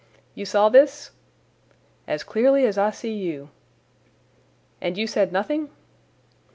"You saw this?" "As clearly as I see you." "And you said nothing?"